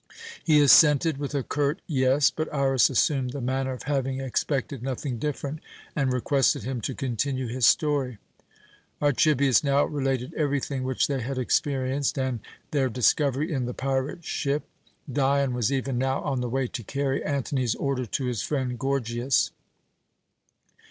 He assented with a curt "Yes," but Iras assumed the manner of having expected nothing different, and requested him to continue his story. Archibius now related everything which they had experienced, and their discovery in the pirate ship. Dion was even now on the way to carry Antony's order to his friend Gorgias.